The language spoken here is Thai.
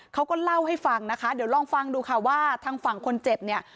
เขาก็เล่าให้ฟังนะคะเดี๋ยวลองฟังดูค่ะว่าทางฝั่งคนเจ็บเนี่ย